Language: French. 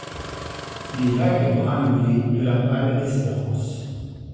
Les vagues bras levés de la pâle espérance.